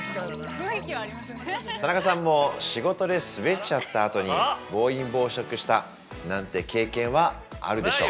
◆田中さんも仕事でスベっちゃった後に暴飲暴食したなんて経験はあるでしょう。